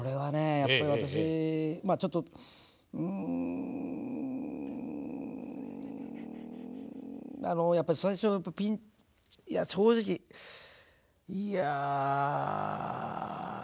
やっぱり私まあちょっとうんあのやっぱり最初はピンいや正直いやぁ。